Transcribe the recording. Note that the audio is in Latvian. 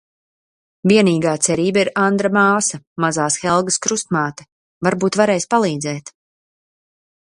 Vienīgā cerība ir Andra māsa, mazās Helgas krustmāte, varbūt varēs palīdzēt?